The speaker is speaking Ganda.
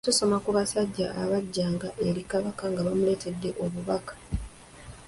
Tusoma ku basajja abajjanga eri Kabaka nga bamuleetedde obubaka.